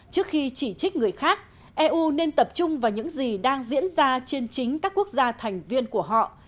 trước khi chỉ trích người khác eu nên tập trung vào những gì đang diễn ra trên chính các quốc gia thành viên của họ